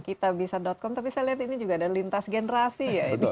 kita bisa dotcom tapi saya lihat ini juga ada lintas generasi ya